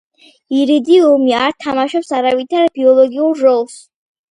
ირიდიუმი არ თამაშობს არავითარ ბიოლოგიურ როლს.